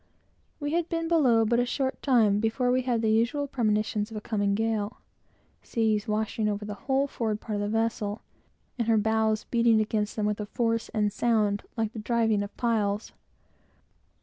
We had been below but a short time, before we had the usual premonitions of a coming gale: seas washing over the whole forward part of the vessel, and her bows beating against them with a force and sound like the driving of piles.